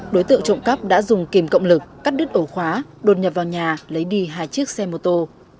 đối tượng trộm cắp đã dùng kìm cộng lực cắt đứt ổ khóa đột nhập vào nhà lấy đi hai chiếc xe mô tô